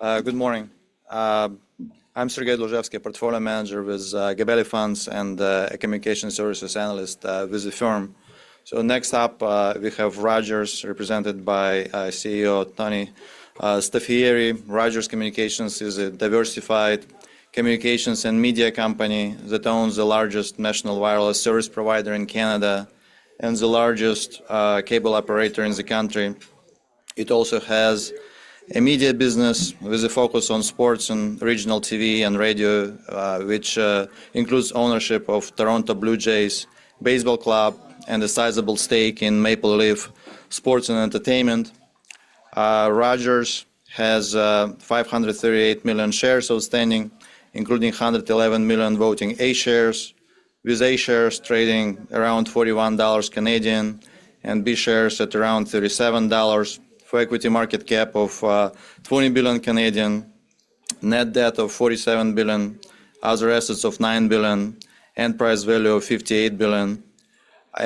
a Communications Services Analyst with the firm. Next up, we have Rogers, represented by CEO Tony Staffieri. Rogers Communications is a diversified communications and media company that owns the largest national wireless service provider in Canada and the largest cable operator in the country. It also has a media business with a focus on sports and regional TV and radio, which includes ownership of Toronto Blue Jays Baseball Club and a sizable stake in Maple Leaf Sports & Entertainment. Rogers has 538 million shares outstanding, including 111 million voting A shares, with A shares trading around 41 Canadian dollars and B shares at around 37 dollars for an equity market cap of 20 billion, net debt of 47 billion, other assets of 9 billion, and price value of 58 billion. We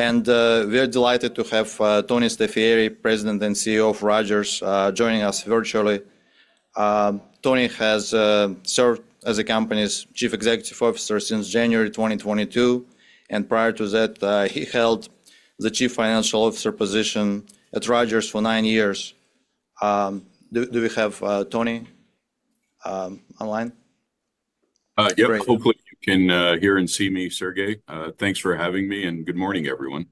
are delighted to have Tony Staffieri, President and CEO of Rogers, joining us virtually. Tony has served as the company's Chief Executive Officer since January 2022, and prior to that, he held the Chief Financial Officer position at Rogers for nine years. Do we have Tony online? Yep, hopefully you can hear and see me, Sergey. Thanks for having me, and good morning, everyone.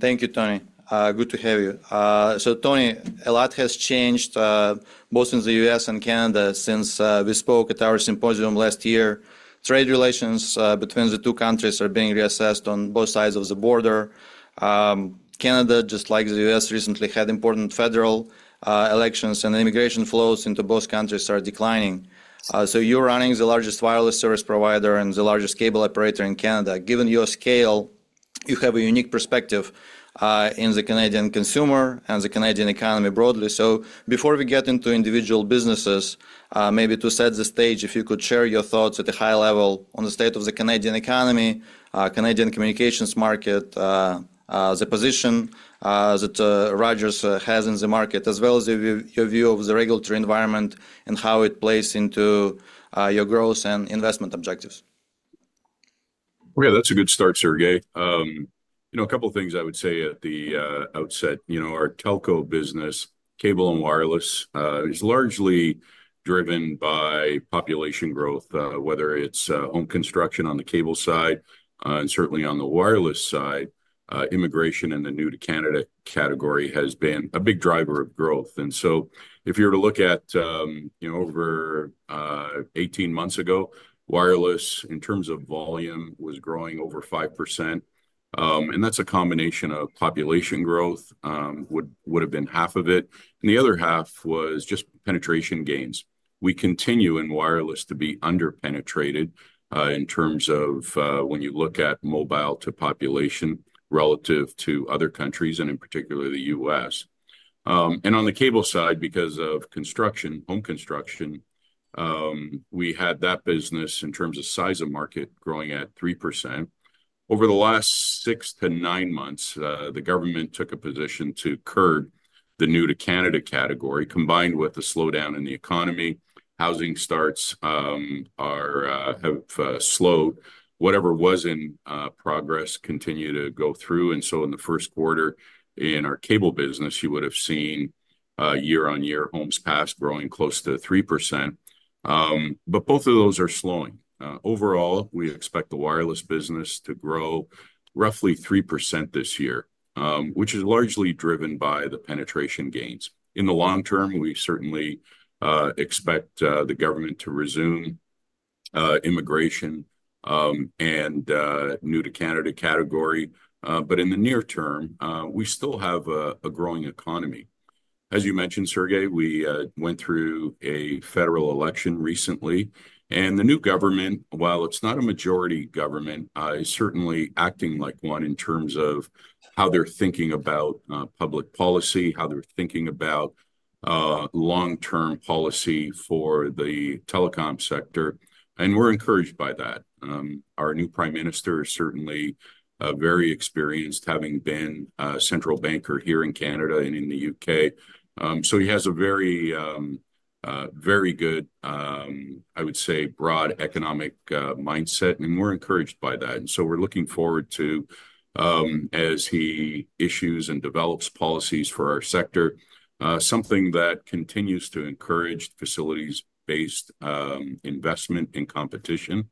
Thank you, Tony. Good to have you. Tony, a lot has changed, both in the U.S. and Canada, since we spoke at our symposium last year. Trade relations between the two countries are being reassessed on both sides of the border. Canada, just like the U.S., recently had important federal elections, and immigration flows into both countries are declining. You are running the largest wireless service provider and the largest cable operator in Canada. Given your scale, you have a unique perspective in the Canadian consumer and the Canadian economy broadly. Before we get into individual businesses, maybe to set the stage, if you could share your thoughts at a high level on the state of the Canadian economy, Canadian communications market, the position that Rogers has in the market, as well as your view of the regulatory environment and how it plays into your growth and investment objectives. Okay, that's a good start, Sergey. You know, a couple of things I would say at the outset. You know, our telco business, cable and wireless, is largely driven by population growth, whether it's home construction on the cable side and certainly on the wireless side. Immigration in the new-to-Canada category has been a big driver of growth. If you were to look at, you know, over 18 months ago, wireless, in terms of volume, was growing over 5%. That's a combination of population growth, would have been half of it. The other half was just penetration gains. We continue in wireless to be underpenetrated in terms of when you look at mobile-to-population relative to other countries, and in particular the U.S. On the cable side, because of construction, home construction, we had that business in terms of size of market growing at 3%. Over the last six to nine months, the government took a position to curb the new-to-Canada category, combined with the slowdown in the economy. Housing starts have slowed. Whatever was in progress continued to go through. In the first quarter in our cable business, you would have seen year-on-year homes pass growing close to 3%. Both of those are slowing. Overall, we expect the wireless business to grow roughly 3% this year, which is largely driven by the penetration gains. In the long term, we certainly expect the government to resume immigration and new-to-Canada category. In the near term, we still have a growing economy. As you mentioned, Sergey, we went through a federal election recently, and the new government, while it's not a majority government, is certainly acting like one in terms of how they're thinking about public policy, how they're thinking about long-term policy for the telecom sector. We are encouraged by that. Our new Prime Minister is certainly very experienced, having been a central banker here in Canada and in the U.K. He has a very, very good, I would say, broad economic mindset, and we are encouraged by that. We are looking forward to, as he issues and develops policies for our sector, something that continues to encourage facilities-based investment and competition.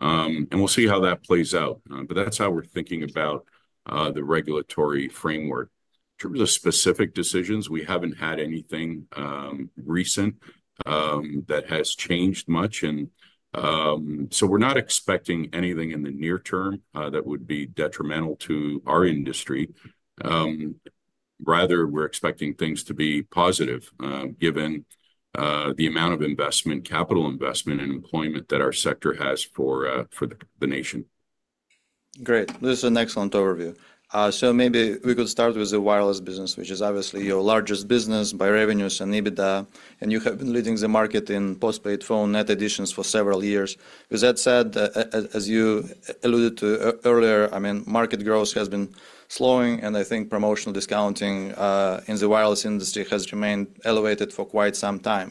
We will see how that plays out. That is how we are thinking about the regulatory framework. In terms of specific decisions, we have not had anything recent that has changed much. We're not expecting anything in the near term that would be detrimental to our industry. Rather, we're expecting things to be positive, given the amount of investment, capital investment, and employment that our sector has for the nation. Great. This is an excellent overview. Maybe we could start with the wireless business, which is obviously your largest business by revenues and EBITDA. You have been leading the market in postpaid phone net additions for several years. With that said, as you alluded to earlier, I mean, market growth has been slowing, and I think promotional discounting in the wireless industry has remained elevated for quite some time.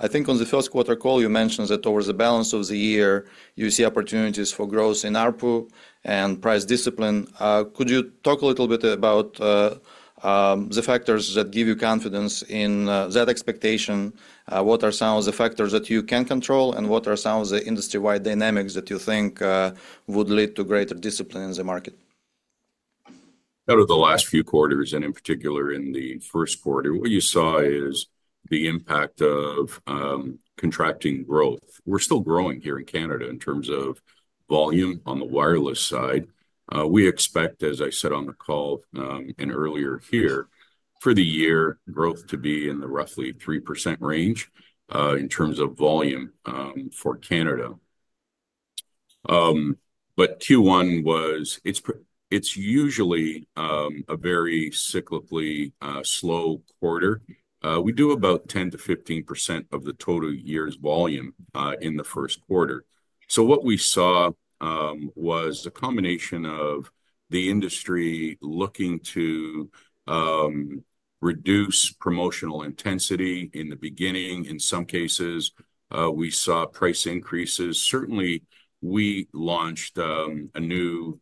I think on the first quarter call, you mentioned that over the balance of the year, you see opportunities for growth in ARPU and price discipline. Could you talk a little bit about the factors that give you confidence in that expectation? What are some of the factors that you can control, and what are some of the industry-wide dynamics that you think would lead to greater discipline in the market? Out of the last few quarters, and in particular in the first quarter, what you saw is the impact of contracting growth. We're still growing here in Canada in terms of volume on the wireless side. We expect, as I said on the call earlier here, for the year growth to be in the roughly 3% range in terms of volume for Canada. Q1 was, it's usually a very cyclically slow quarter. We do about 10%-15% of the total year's volume in the first quarter. What we saw was a combination of the industry looking to reduce promotional intensity in the beginning. In some cases, we saw price increases. Certainly, we launched a new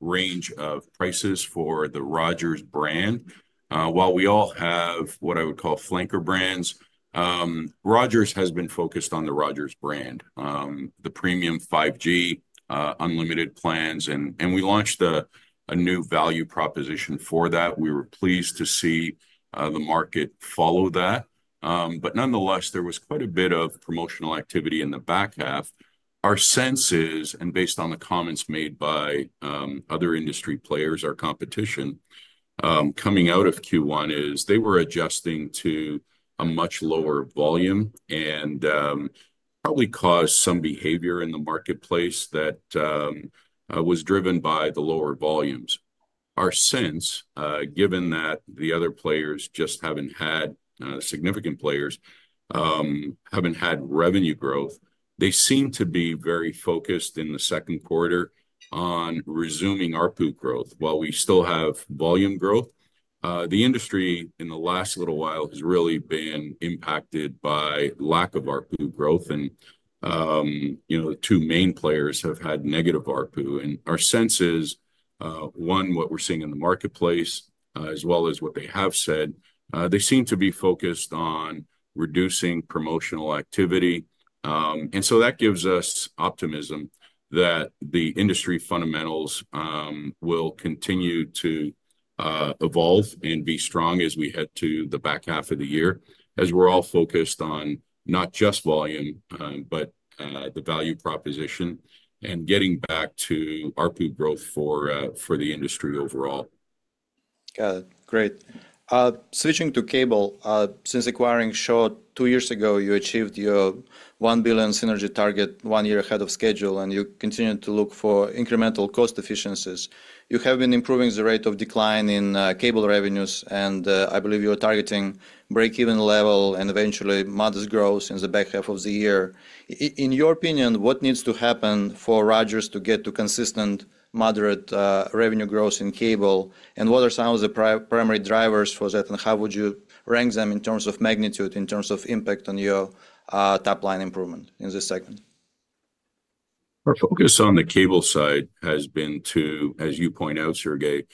range of prices for the Rogers brand. While we all have what I would call flanker brands, Rogers has been focused on the Rogers brand, the premium 5G unlimited plans. We launched a new value proposition for that. We were pleased to see the market follow that. Nonetheless, there was quite a bit of promotional activity in the back half. Our sense is, and based on the comments made by other industry players, our competition coming out of Q1 is they were adjusting to a much lower volume and probably caused some behavior in the marketplace that was driven by the lower volumes. Our sense, given that the other players just have not had significant players, have not had revenue growth, they seem to be very focused in the second quarter on resuming ARPU growth. While we still have volume growth, the industry in the last little while has really been impacted by lack of ARPU growth. Two main players have had negative ARPU. Our sense is, one, what we're seeing in the marketplace, as well as what they have said, they seem to be focused on reducing promotional activity. That gives us optimism that the industry fundamentals will continue to evolve and be strong as we head to the back half of the year, as we're all focused on not just volume, but the value proposition and getting back to ARPU growth for the industry overall. Got it. Great. Switching to cable, since acquiring Shaw two years ago, you achieved your 1 billion synergy target one year ahead of schedule, and you continue to look for incremental cost efficiencies. You have been improving the rate of decline in cable revenues, and I believe you're targeting break-even level and eventually modest growth in the back half of the year. In your opinion, what needs to happen for Rogers to get to consistent moderate revenue growth in cable, and what are some of the primary drivers for that, and how would you rank them in terms of magnitude, in terms of impact on your top line improvement in this segment? Our focus on the cable side has been to, as you point out, Sergey,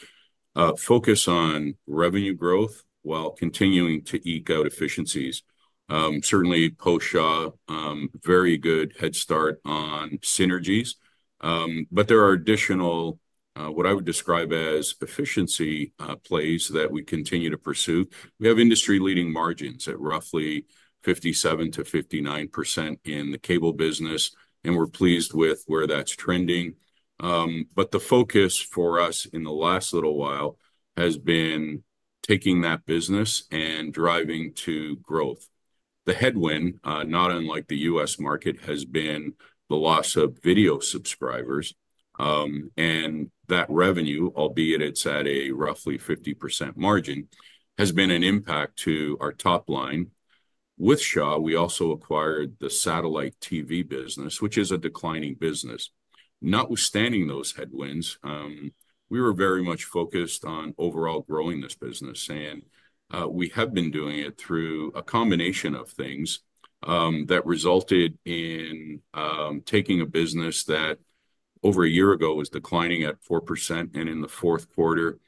focus on revenue growth while continuing to eke out efficiencies. Certainly, post-Shaw, very good head start on synergies. There are additional, what I would describe as efficiency plays that we continue to pursue. We have industry-leading margins at roughly 57%-59% in the cable business, and we're pleased with where that's trending. The focus for us in the last little while has been taking that business and driving to growth. The headwind, not unlike the U.S. market, has been the loss of video subscribers. That revenue, albeit it's at a roughly 50% margin, has been an impact to our top line. With Shaw, we also acquired the satellite TV business, which is a declining business. Notwithstanding those headwinds, we were very much focused on overall growing this business, and we have been doing it through a combination of things that resulted in taking a business that over a year ago was declining at 4%. In the fourth quarter,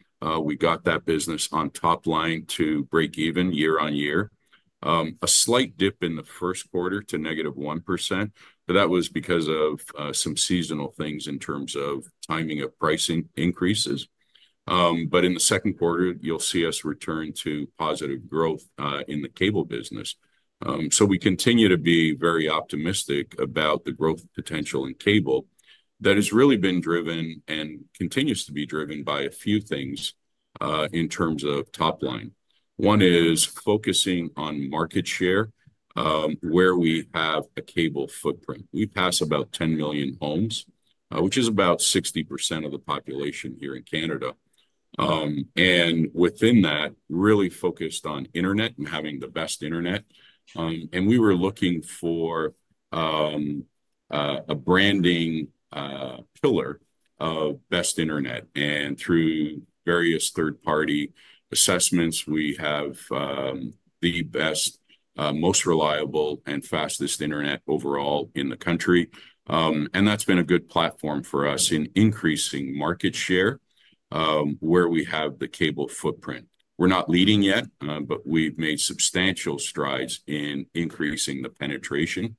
we got that business on top line to break-even year on year. A slight dip in the first quarter to -1%, that was because of some seasonal things in terms of timing of pricing increases. In the second quarter, you'll see us return to positive growth in the cable business. We continue to be very optimistic about the growth potential in cable that has really been driven and continues to be driven by a few things in terms of top line. One is focusing on market share where we have a cable footprint. We pass about 10 million homes, which is about 60% of the population here in Canada. Within that, really focused on internet and having the best internet. We were looking for a branding pillar of best internet. Through various third-party assessments, we have the best, most reliable, and fastest internet overall in the country. That has been a good platform for us in increasing market share where we have the cable footprint. We are not leading yet, but we have made substantial strides in increasing the penetration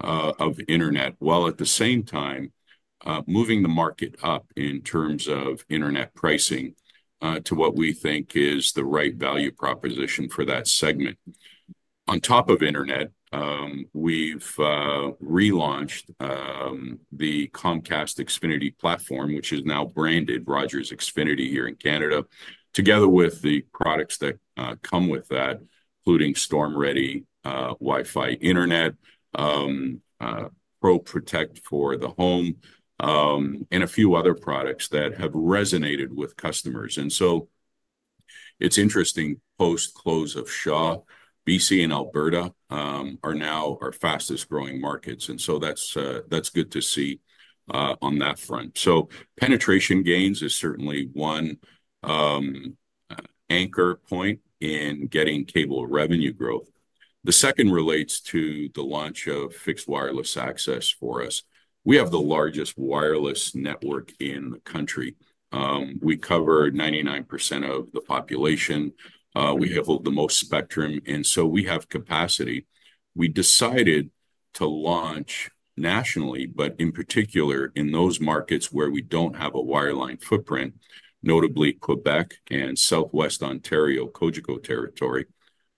of internet, while at the same time moving the market up in terms of internet pricing to what we think is the right value proposition for that segment. On top of internet, we've relaunched the Comcast Xfinity platform, which is now branded Rogers Xfinity here in Canada, together with the products that come with that, including Storm-Ready WiFi internet, Pro Protect for the home, and a few other products that have resonated with customers. It is interesting, post-close of Shaw, BC and Alberta are now our fastest-growing markets. That is good to see on that front. Penetration gains is certainly one anchor point in getting cable revenue growth. The second relates to the launch of fixed wireless access for us. We have the largest wireless network in the country. We cover 99% of the population. We have the most spectrum. We have capacity. We decided to launch nationally, but in particular in those markets where we do not have a wireline footprint, notably Quebec and southwest Ontario, Cogeco territory.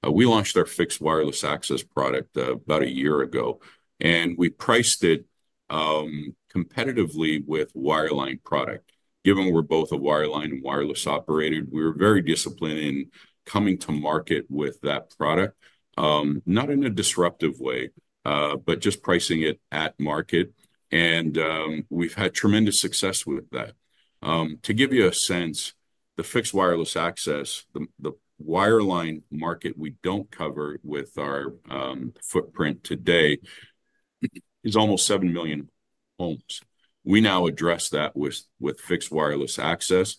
We launched our fixed wireless access product about a year ago, and we priced it competitively with wireline product. Given we're both a wireline and wireless operator, we were very disciplined in coming to market with that product, not in a disruptive way, but just pricing it at market. We have had tremendous success with that. To give you a sense, the fixed wireless access, the wireline market we do not cover with our footprint today is almost 7 million homes. We now address that with fixed wireless access.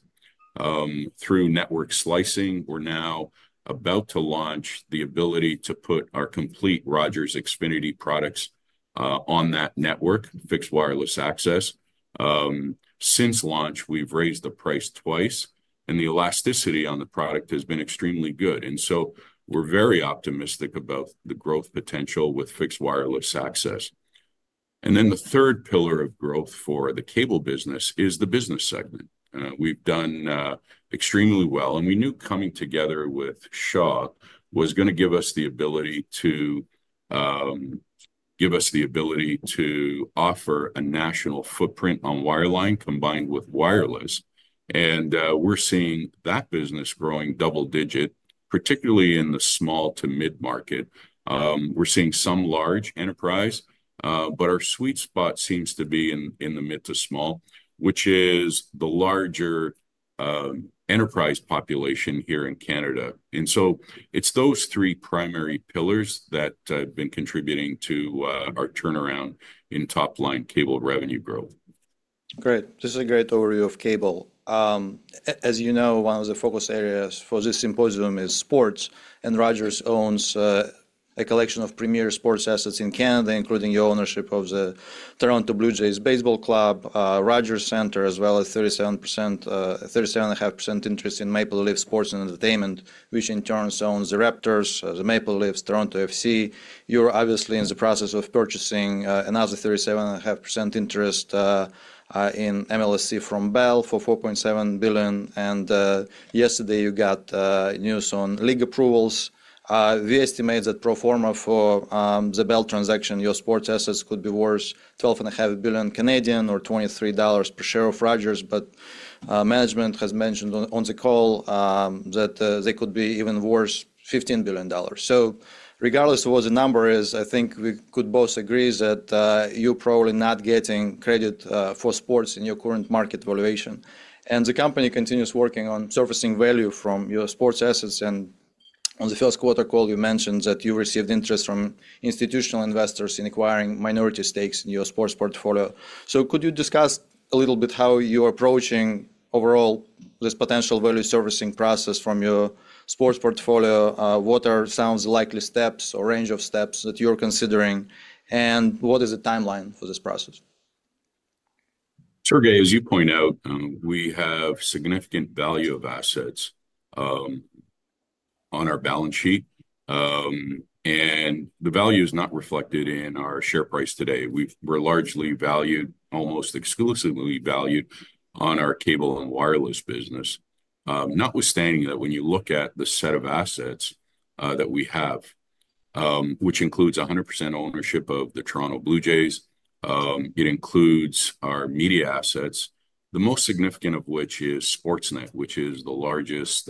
Through network slicing, we are now about to launch the ability to put our complete Rogers Xfinity products on that network, fixed wireless access. Since launch, we have raised the price twice, and the elasticity on the product has been extremely good. We are very optimistic about the growth potential with fixed wireless access. The third pillar of growth for the cable business is the business segment. We've done extremely well, and we knew coming together with Shaw was going to give us the ability to offer a national footprint on wireline combined with wireless. We're seeing that business growing double-digit, particularly in the small to mid-market. We're seeing some large enterprise, but our sweet spot seems to be in the mid to small, which is the larger enterprise population here in Canada. It's those three primary pillars that have been contributing to our turnaround in top-line cable revenue growth. Great. This is a great overview of cable. As you know, one of the focus areas for this symposium is sports. Rogers owns a collection of premier sports assets in Canada, including your ownership of the Toronto Blue Jay Bbaseball Club, Rogers Centre, as well as a 37.5% interest in Maple Leaf Sports & Entertainment, which in turn owns the Raptors, the Maple Leafs, Toronto FC. You are obviously in the process of purchasing another 37.5% interest in MLSE from Bell for 4.7 billion. Yesterday, you got news on league approvals. We estimate that pro forma for the Bell transaction, your sports assets could be worth 12.5 billion or 23 dollars per share of Rogers. Management has mentioned on the call that they could be even worth 15 billion dollars. Regardless of what the number is, I think we could both agree that you're probably not getting credit for sports in your current market valuation. The company continues working on surfacing value from your sports assets. On the first quarter call, you mentioned that you received interest from institutional investors in acquiring minority stakes in your sports portfolio. Could you discuss a little bit how you're approaching overall this potential value surfacing process from your sports portfolio? What are some of the likely steps or range of steps that you're considering, and what is the timeline for this process? Sergey, as you point out, we have significant value of assets on our balance sheet, and the value is not reflected in our share price today. We're largely valued, almost exclusively valued on our cable and wireless business. Notwithstanding that, when you look at the set of assets that we have, which includes 100% ownership of the Toronto Blue Jays, it includes our media assets, the most significant of which is Sportsnet, which is the largest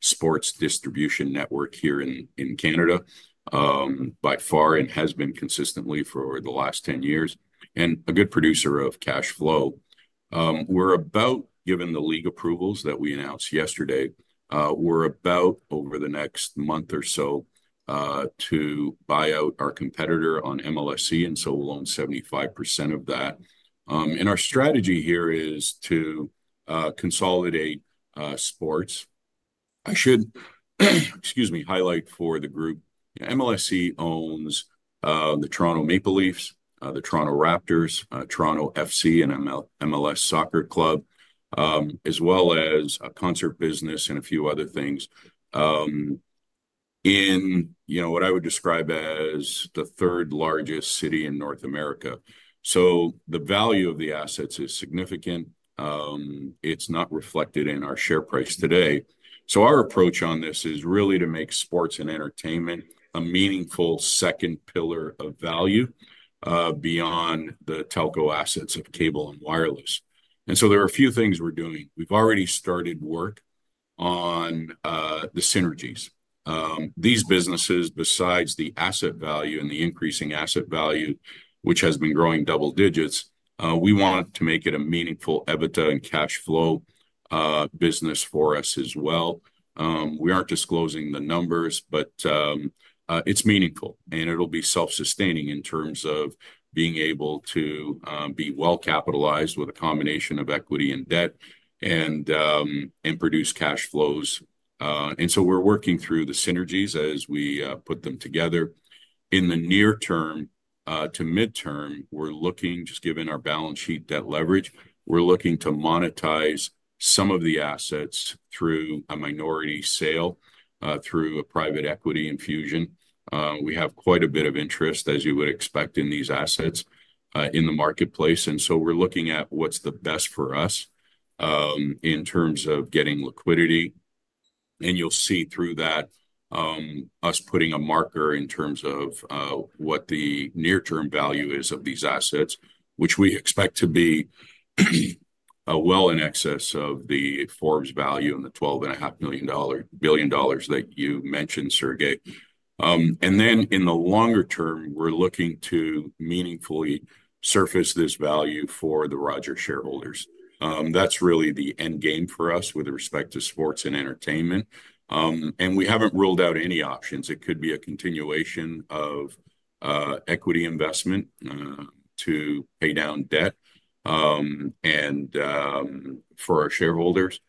sports distribution network here in Canada by far and has been consistently for the last 10 years and a good producer of cash flow. We're about, given the league approvals that we announced yesterday, we're about over the next month or so to buy out our competitor on MLSE, and so we'll own 75% of that. Our strategy here is to consolidate sports. I should, excuse me, highlight for the group, MLSE owns the Toronto Maple Leafs, the Toronto Raptors, Toronto FC, and MLS Soccer Club, as well as a concert business and a few other things in what I would describe as the third largest city in North America. The value of the assets is significant. It is not reflected in our share price today. Our approach on this is really to make sports and entertainment a meaningful second pillar of value beyond the telco assets of cable and wireless. There are a few things we are doing. We have already started work on the synergies. These businesses, besides the asset value and the increasing asset value, which has been growing double digits, we want to make it a meaningful EBITDA and cash flow business for us as well. We aren't disclosing the numbers, but it's meaningful, and it'll be self-sustaining in terms of being able to be well capitalized with a combination of equity and debt and produce cash flows. We're working through the synergies as we put them together. In the near term to midterm, we're looking, just given our balance sheet debt leverage, to monetize some of the assets through a minority sale, through a private equity infusion. We have quite a bit of interest, as you would expect, in these assets in the marketplace. We're looking at what's the best for us in terms of getting liquidity. You'll see through that us putting a marker in terms of what the near-term value is of these assets, which we expect to be well in excess of the Forbes value and the 12.5 billion dollars that you mentioned, Sergey. In the longer term, we're looking to meaningfully surface this value for the Rogers shareholders. That's really the end game for us with respect to sports and entertainment. We haven't ruled out any options. It could be a continuation of equity investment to pay down debt for our shareholders.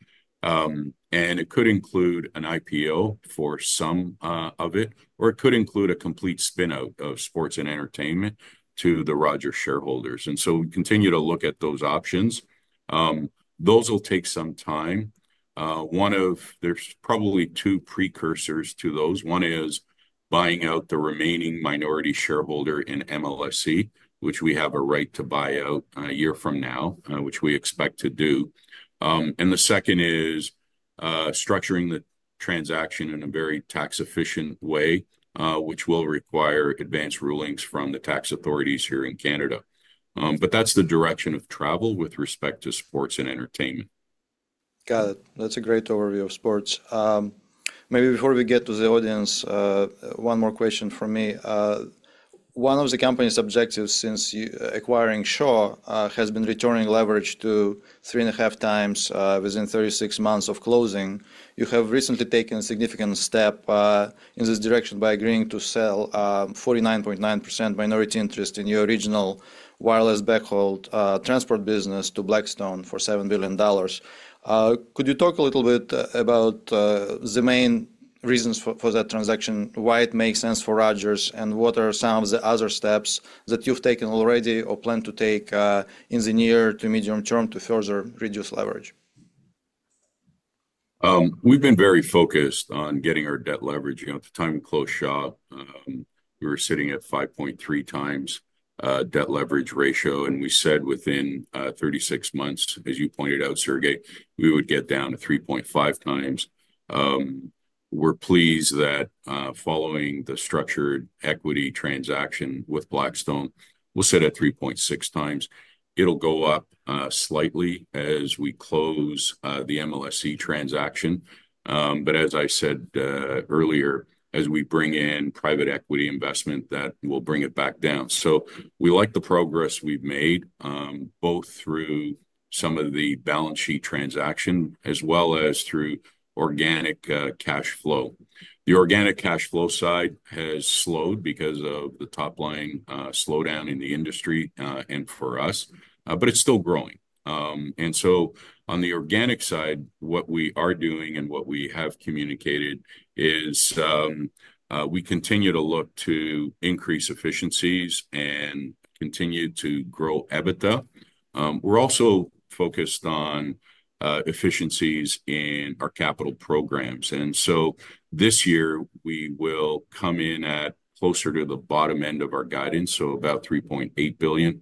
It could include an IPO for some of it, or it could include a complete spinout of sports and entertainment to the Rogers shareholders. We continue to look at those options. Those will take some time. There are probably two precursors to those. One is buying out the remaining minority shareholder in MLSE, which we have a right to buy out a year from now, which we expect to do. The second is structuring the transaction in a very tax-efficient way, which will require advanced rulings from the tax authorities here in Canada. That's the direction of travel with respect to sports and entertainment. Got it. That's a great overview of sports. Maybe before we get to the audience, one more question from me. One of the company's objectives since acquiring Shaw has been returning leverage to 3.5x within 36 months of closing. You have recently taken a significant step in this direction by agreeing to sell 49.9% minority interest in your original wireless backhaul transport business to Blackstone for 7 billion dollars. Could you talk a little bit about the main reasons for that transaction? why it makes sense for Rogers? and what are some of the other steps that you've taken already or plan to take in the near to medium term to further reduce leverage? We've been very focused on getting our debt leverage. At the time we closed Shaw, we were sitting at 5.3x debt leverage ratio. We said within 36 months, as you pointed out, Sergey, we would get down to 3.5x. We're pleased that following the structured equity transaction with Blackstone, we'll sit at 3.6x. It will go up slightly as we close the MLSE transaction. As I said earlier, as we bring in private equity investment, that will bring it back down. We like the progress we've made, both through some of the balance sheet transaction as well as through organic cash flow. The organic cash flow side has slowed because of the top-line slowdown in the industry and for us, but it's still growing. On the organic side, what we are doing and what we have communicated is we continue to look to increase efficiencies and continue to grow EBITDA. We are also focused on efficiencies in our capital programs. This year, we will come in at closer to the bottom end of our guidance, so about 3.8 billion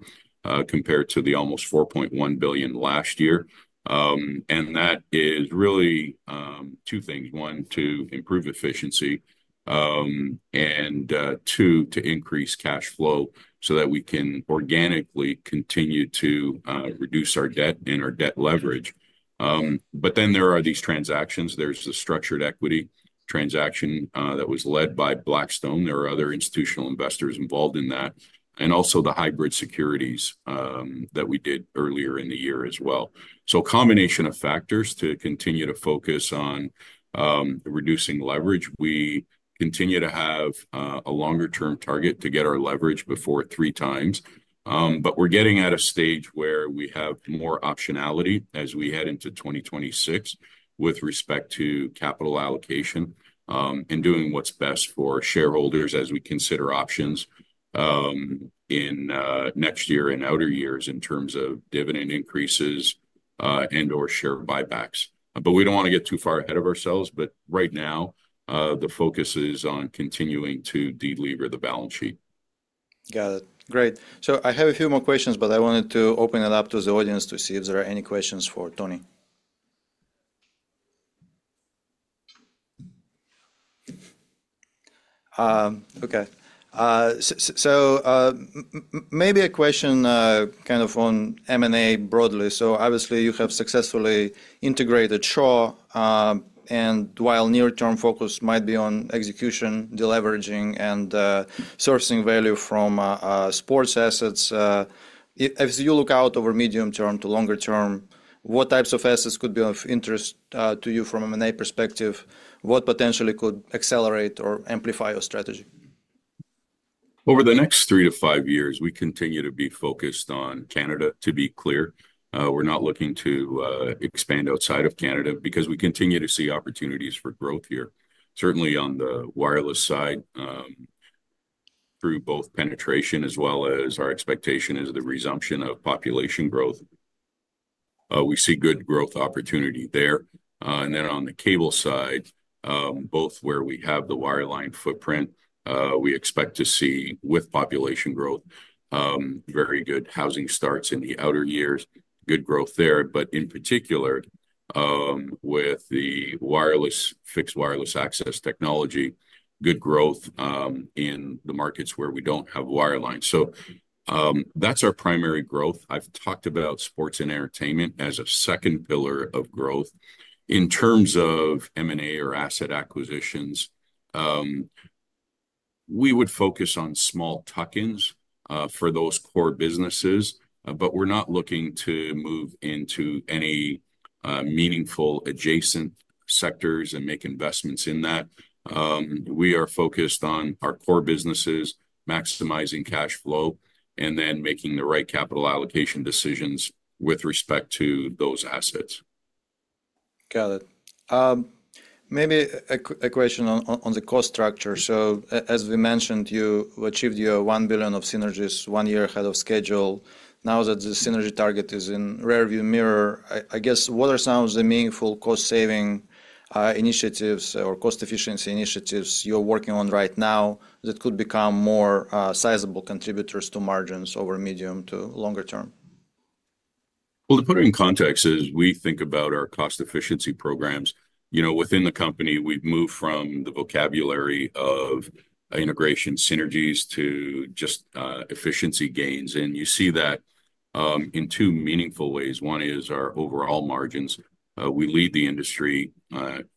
compared to the almost 4.1 billion last year. That is really two things: one, to improve efficiency, and two, to increase cash flow so that we can organically continue to reduce our debt and our debt leverage. There are these transactions. There is the structured equity transaction that was led by Blackstone. There are other institutional investors involved in that, and also the hybrid securities that we did earlier in the year as well. A combination of factors to continue to focus on reducing leverage. We continue to have a longer-term target to get our leverage before 3x. We are getting at a stage where we have more optionality as we head into 2026 with respect to capital allocation and doing what is best for shareholders as we consider options in next year and outer years in terms of dividend increases and/or share buybacks. We do not want to get too far ahead of ourselves. Right now, the focus is on continuing to deliver the balance sheet. Got it. Great. I have a few more questions, but I wanted to open it up to the audience to see if there are any questions for Tony. Okay. Maybe a question kind of on M&A broadly. Obviously, you have successfully integrated Shaw. While near-term focus might be on execution, deleveraging, and sourcing value from sports assets, as you look out over medium term to longer term, what types of assets could be of interest to you from an M&A perspective? What potentially could accelerate or amplify your strategy? Over the next three to five years, we continue to be focused on Canada, to be clear. We're not looking to expand outside of Canada because we continue to see opportunities for growth here, certainly on the wireless side through both penetration as well as our expectation is the resumption of population growth. We see good growth opportunity there. Then on the cable side, both where we have the wireline footprint, we expect to see with population growth very good housing starts in the outer years, good growth there. In particular, with the fixed wireless access technology, good growth in the markets where we don't have wirelines. That's our primary growth. I've talked about sports and entertainment as a second pillar of growth. In terms of M&A or asset acquisitions, we would focus on small tuck-ins for those core businesses, but we're not looking to move into any meaningful adjacent sectors and make investments in that. We are focused on our core businesses, maximizing cash flow, and then making the right capital allocation decisions with respect to those assets. Got it. Maybe a question on the cost structure. As we mentioned, you achieved your 1 billion of synergies one year ahead of schedule. Now that the synergy target is in the rearview mirror, I guess what are some of the meaningful cost-saving initiatives or cost-efficiency initiatives you're working on right now that could become more sizable contributors to margins over the medium to longer term? To put it in context, as we think about our cost-efficiency programs within the company, we've moved from the vocabulary of integration synergies to just efficiency gains. You see that in two meaningful ways. One is our overall margins. We lead the industry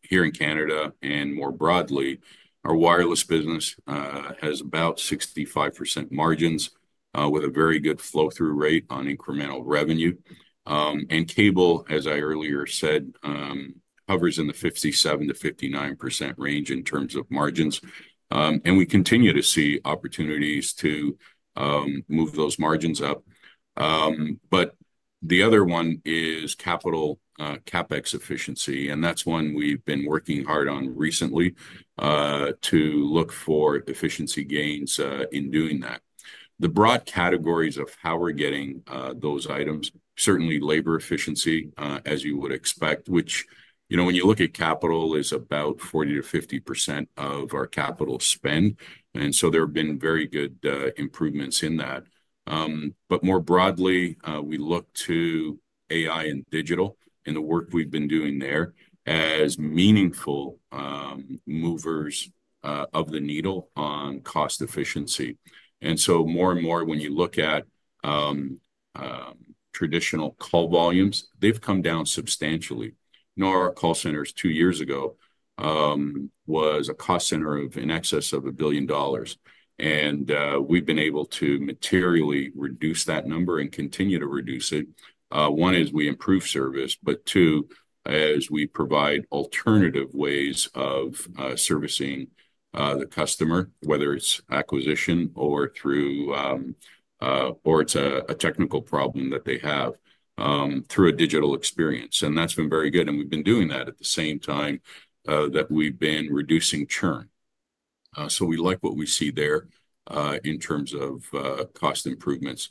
here in Canada and more broadly. Our wireless business has about 65% margins with a very good flow-through rate on incremental revenue. Cable, as I earlier said, hovers in the 57%-59% range in terms of margins. We continue to see opportunities to move those margins up. The other one is capital CapEx efficiency. That's one we've been working hard on recently to look for efficiency gains in doing that. The broad categories of how we're getting those items, certainly labor efficiency, as you would expect, which when you look at capital, is about 40%-50% of our capital spend. There have been very good improvements in that. More broadly, we look to AI and digital and the work we've been doing there as meaningful movers of the needle on cost efficiency. More and more, when you look at traditional call volumes, they've come down substantially. NORA Call Centers two years ago was a cost center of in excess of 1 billion dollars. We've been able to materially reduce that number and continue to reduce it. One is we improve service. Two, as we provide alternative ways of servicing the customer, whether it's acquisition or it's a technical problem that they have through a digital experience. That's been very good. We have been doing that at the same time that we have been reducing churn. We like what we see there in terms of cost improvements.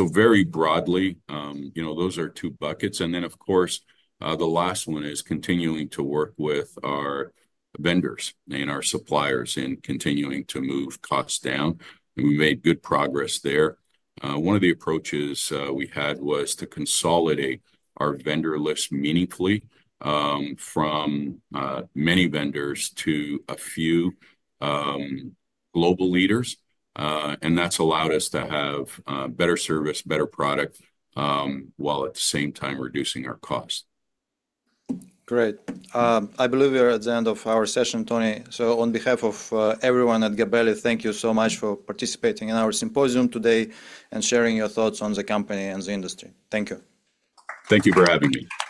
Very broadly, those are two buckets. Of course, the last one is continuing to work with our vendors and our suppliers in continuing to move costs down. We made good progress there. One of the approaches we had was to consolidate our vendor list meaningfully from many vendors to a few global leaders. That has allowed us to have better service, better product while at the same time reducing our costs. Great. I believe we are at the end of our session, Tony. On behalf of everyone at Gabelli, thank you so much for participating in our symposium today and sharing your thoughts on the company and the industry. Thank you. Thank you for having me.